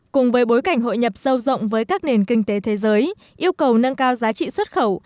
cùng với bối cảnh hội nhập sâu rộng với các nền kinh tế thế giới yêu cầu nâng cao giá trị xuất khẩu